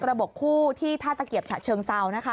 ระบบคู่ที่ถ้าจะเกียบฉะเชิงเซา